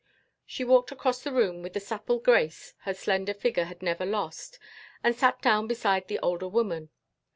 She walked across the room with the supple grace her slender figure had never lost and sat down beside the older woman.